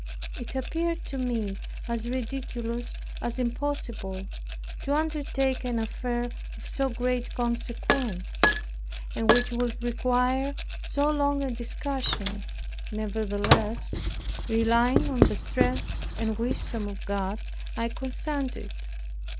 It appeared to me as ridiculous, as impossible, to undertake an affair of so great consequence, and which would require so long a discussion. Nevertheless, relying on the strength and wisdom of God, I consented.